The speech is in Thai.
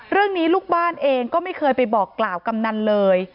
ลูกบ้านเองก็ไม่เคยไปบอกกล่าวกำนันเลย